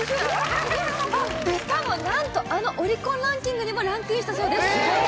しかもなんとあのオリコンランキングにもランクインしたそうですすごっ！